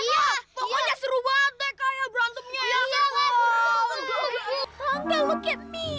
iya pokoknya seru banget kayak berantemnya ya